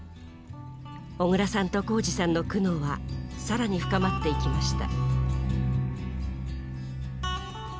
小椋さんと宏司さんの苦悩は更に深まっていきました。